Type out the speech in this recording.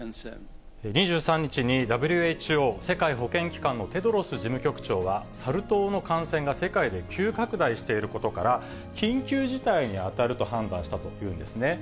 ２３日にＷＨＯ・世界保健機関のテドロス事務局長は、サル痘の感染が世界で急拡大していることから、緊急事態に当たると判断したというんですね。